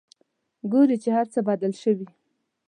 ګوري چې هرڅه بدل شوي.